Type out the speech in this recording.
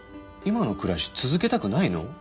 今の暮らし続けたくないの？